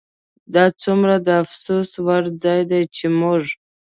دا څومره د افسوس وړ ځای دی چې موږ